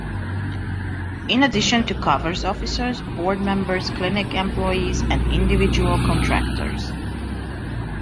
In addition it covers officers, board members, clinic employees, and individual contractors.